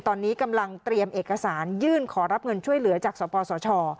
ตอนนี้กำลังเตรียมเอกสารยื่นขอรับเงินช่วยเหลือจากสปสช